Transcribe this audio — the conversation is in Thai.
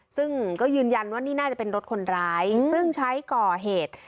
ซึ่งก็ยืนยันว่านี่น่าจะเป็นรถคนร้ายซึ่งใช้ก่อเหตุ